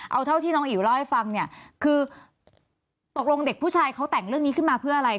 เอาเท่าที่น้องอิ๋วเล่าให้ฟังเนี่ยคือตกลงเด็กผู้ชายเขาแต่งเรื่องนี้ขึ้นมาเพื่ออะไร